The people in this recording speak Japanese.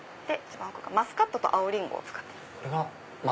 一番奥がマスカットと青リンゴを使ってるもの。